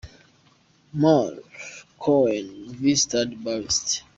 Mar, Caen vs Stade Brest .